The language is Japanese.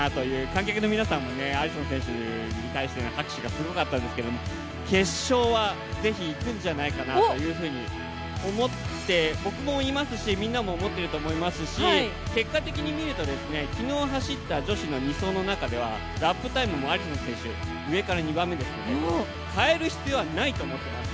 観客の皆さんもアリソン選手に対しての拍手がすごかったですけども決勝は是非、いくんじゃないかなと思って僕も、いますし、みんなも思っていると思いますし結果的に見ると、昨日走った女子の２走の中ではラップタイムもアリソン選手上から２番目ですので変える必要はないと思います。